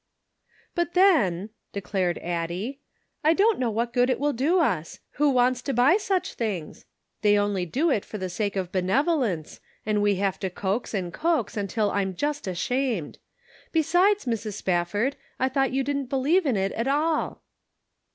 "But then," declared Addie, "I don't know what good it will do us. Who wants to buy such things ? They only do it for the sake of benevolence, and we have to coax and 254 The Pocket Measure. coax until I'm just ashamed. Besides, Mrs. Spafford, I thought you didn't believe in it at all."